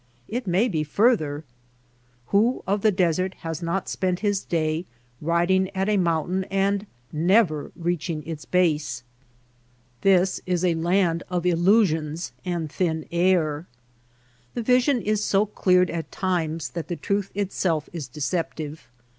It may be further. Who of the desert has not spent his day riding at a mountain and never even reaching its base ? This is a land of illu sions and thin air. The vision is so cleared at times that the truth itself is deceptive.